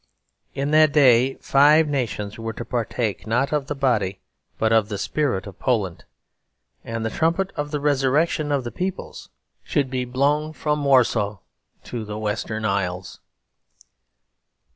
In that day five nations were to partake not of the body, but of the spirit of Poland; and the trumpet of the resurrection of the peoples should be blown from Warsaw to the western isles.